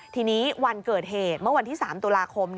ทีนี้วันเกิดเหตุเมื่อวันที่๓ตุลาคม